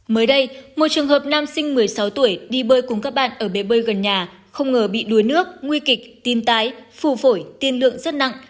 mới đây một trường hợp nam sinh một mươi sáu tuổi đi bơi cùng các bạn ở bể bơi gần nhà không ngờ bị đuối nước nguy kịch tim tái phù phổi tiên lượng rất nặng